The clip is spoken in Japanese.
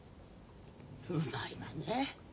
うまいわね。